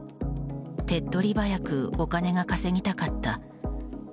手っ取り早くお金が稼ぎたかった。